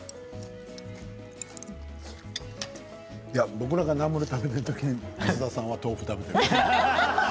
僕らがナムルを食べているときに増田さんは豆腐を食べている。